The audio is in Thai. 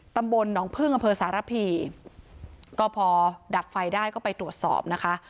ตำบลหนองพึ่งอำเภอสารพีก็พอดับไฟได้ก็ไปตรวจสอบนะคะ